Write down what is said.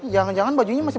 jangan jangan bajunya masih